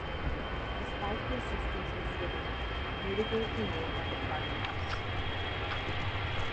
Despite his sister's misgivings, Newdigate remained at the Charterhouse.